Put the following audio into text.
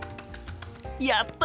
やった！